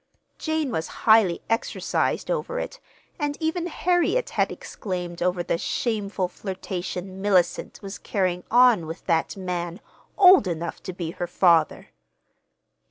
Jane was highly exercised over it, and even Harriet had exclaimed over the "shameful flirtation Mellicent was carrying on with that man old enough to be her father!"